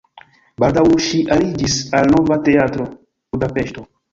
Baldaŭ ŝi aliĝis al Nova Teatro (Budapeŝto).